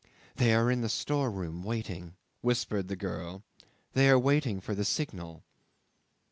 "They are in the storeroom waiting," whispered the girl; "they are waiting for the signal."